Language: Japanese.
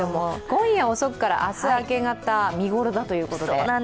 今夜遅くから明日明け方見頃だということで。